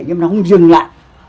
nhưng mà nó không dừng lại